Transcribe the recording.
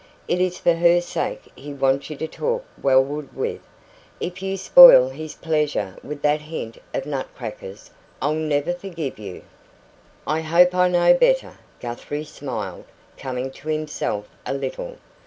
It is for her sake he wants you to talk Wellwood with. If you spoil his pleasure with that hint of nut crackers, I'll never forgive you." "I hope I know better," Guthrie smiled, coming to himself a little.